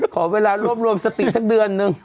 ขอเวลารวบรวมสติสักเดือนนึง